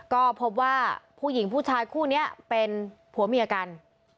ก็พบว่าผู้หญิงผู้ชายคู่นี้เป็นผัวเมียกัน